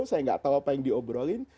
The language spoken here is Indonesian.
saya nggak tahu apa yang diobrolin